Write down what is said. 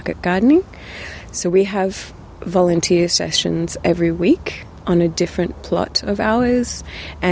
jadi kita memiliki sesi volunteer setiap minggu di plot yang berbeda